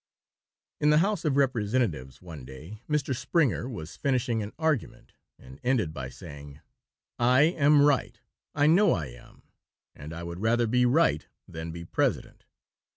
In the House of Representatives one day Mr. Springer was finishing an argument and ended by saying, "I am right, I know I am; and I would rather be right than be President."